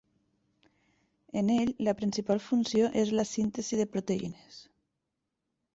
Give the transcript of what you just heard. En ell la principal funció és la síntesi de proteïnes.